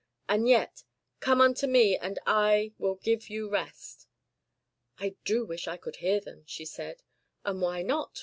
And yet! COME UNTO ME, AND I WILL GIVE YOU REST. "I do wish I could hear them," she said. "And why not?"